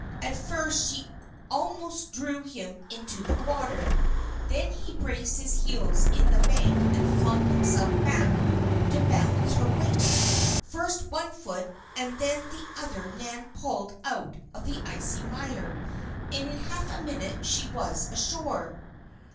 At first she almost drew him into the water. Then he braced his heels in the bank and flung himself back to balance her weight. First one foot and then the other Nan pulled out of the icy mire, and in half a minute she was ashore.